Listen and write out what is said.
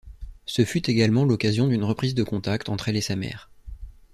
Ce fut également l'occasion d'une reprise de contact entre elle et sa mère.